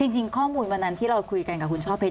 จริงข้อมูลวันนั้นที่เราคุยกันกับคุณช่อเพชร